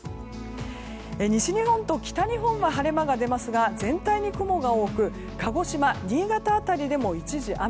西日本と北日本は晴れ間が出ますが全体に雲が多く鹿児島、新潟辺りでも一時雨。